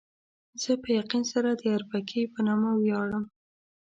زه په یقین سره د اربکي په نامه ویاړم.